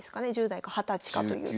１０代か二十歳かという。